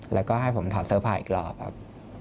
แล้วก็ให้ผมถอดเสื้อผ้าอีกรอบครับ